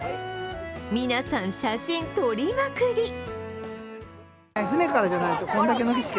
皆さん写真撮りまくり。